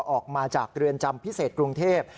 ออกมาจากเรือนจำพิเศษกรุงเทพ